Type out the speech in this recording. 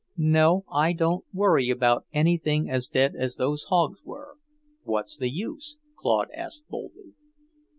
"No, I don't worry about anything as dead as those hogs were. What's the use?" Claude asked boldly.